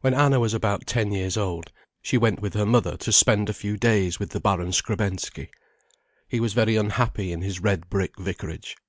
When Anna was about ten years old, she went with her mother to spend a few days with the Baron Skrebensky. He was very unhappy in his red brick vicarage.